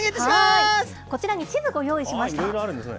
こちらに地図ご用意しました。